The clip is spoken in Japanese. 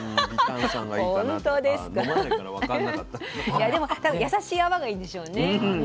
いやでも多分やさしい泡がいいんでしょうね。